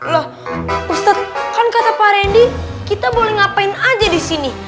loh ustadz kan kata pak randy kita boleh ngapain aja di sini